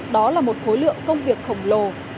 đó là một khối lượng công việc khổng lồ